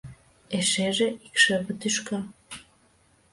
Эшеже — икшыве тӱшка.